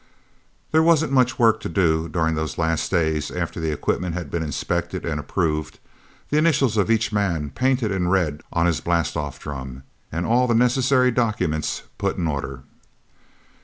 There wasn't much work to do during those last days, after the equipment had been inspected and approved, the initials of each man painted in red on his blastoff drum, and all the necessary documents put in order.